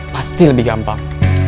pasti lebih gampang